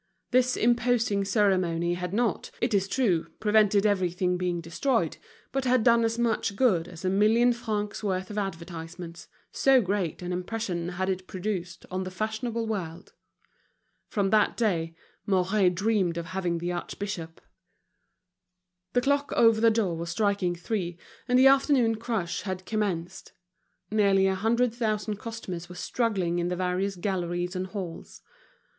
This imposing ceremony had not, it is true, prevented everything being destroyed, but had done as much good as a million francs' worth of advertisements, so great an impression had it produced on the fashionable world. From that day, Mouret dreamed of having the archbishop. The clock over the door was striking three, and the afternoon crush had commenced, nearly a hundred thousand customers were struggling in the various galleries and halls.